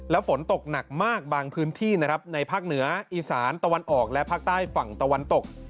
ฝนตกหนักมากบางพื้นที่นะครับในภาคเหนืออีสานตะวันออกและภาคใต้ฝั่งตะวันตก